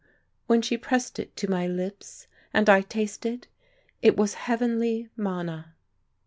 when she pressed it to my lips, and I tasted, it was heavenly manna.